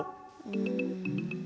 うん。